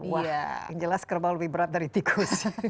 wah yang jelas kerbau lebih berat dari tikus